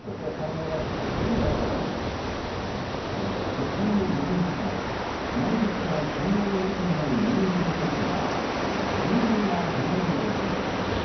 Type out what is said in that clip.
都心のど真ん中で来月から９万円以下になる２ＬＤＫとはどのような部屋なのでしょうか。